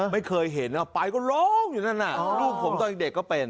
ไม่เคยเห็นไปก็ร้องอยู่นั่นน่ะลูกผมตอนเด็กก็เป็น